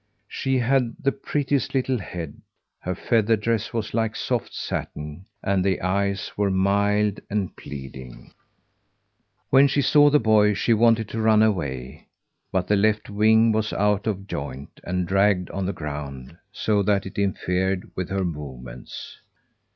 She had the prettiest little head; her feather dress was like soft satin, and the eyes were mild and pleading. When she saw the boy, she wanted to run away; but the left wing was out of joint and dragged on the ground, so that it interfered with her movements.